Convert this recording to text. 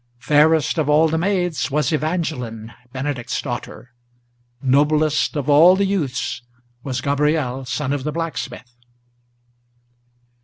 Fairest of all the maids was Evangeline, Benedict's daughter! Noblest of all the youths was Gabriel, son of the blacksmith!